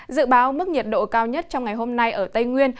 dự báo mức nhiệt độ cao nhất trong ngày hôm nay ở tây nguyên